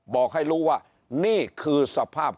บอกให้รู้ว่านี่คือสภาพ